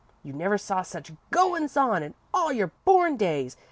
You never saw such goins' on in all your born days!